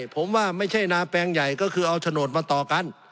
ผมว่าไม่ใช่นาแปลงใหญ่ก็คือเอาโฉนดมาต่อกัน